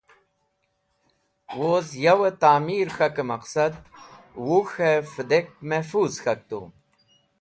Woz yawe ta’mir k̃hake Maqsad Wuk̃he Fideke Mehfooz k̃hak tu.